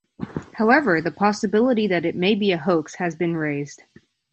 However, the possibility that it may be a hoax has been raised.